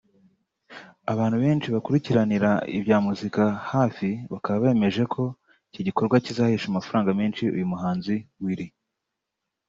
Abantu benshi bakurikiranira ibya muzika hafi bakaba bemeje ko iki gikorwa kizahesha amafaranga menshi uyu muhanzi Will